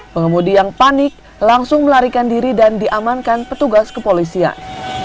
pengemudi yang panik langsung melarikan diri dan diamankan petugas kepolisian